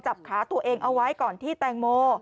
ขาตัวเองเอาไว้ก่อนที่แตงโม